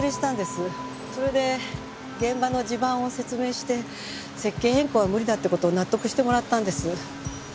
それで現場の地盤を説明して設計変更は無理だって事を納得してもらったんです。